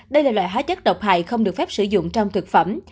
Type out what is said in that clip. đây là loại hóa chất độc hại không được phép sử dụng trong thực phẩm